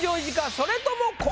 それとも。